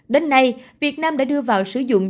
đến nay việt nam đã đưa vào sử dụng